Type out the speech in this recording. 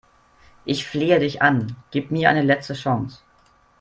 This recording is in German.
Ich flehe dich an, gib mir eine letzte Chance